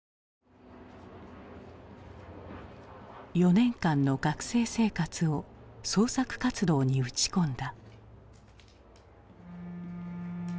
４年間の学生生活を創作活動に打ち込んだ。